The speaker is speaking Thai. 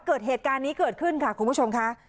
เกิดเหตุการณ์นี้เกิดขึ้นค่ะคุณผู้ชมค่ะ